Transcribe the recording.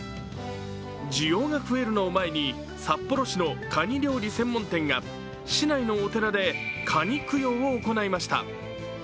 需要が増えるのを前に、札幌市のかに料理専門店が市内のお寺でかに供養を行いました。